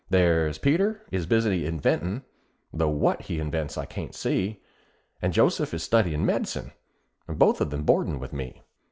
There's Peter is busy inventin' (though what he invents I can't see), And Joseph is studyin' medicine and both of 'em boardin' with me.